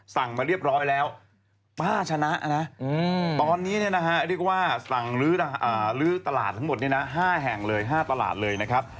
สั่งมาเรียบร้อยแล้วป้าชนะนะตอนนี้เนี่ยนะฮะเรียกว่าสั่งลื้อตลาดทั้งหมด๕แห่งเลย๕ตลาดเลยนะครับ